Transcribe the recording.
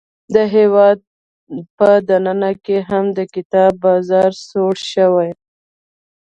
د هیواد په دننه کې هم د کتاب بازار سوړ شوی.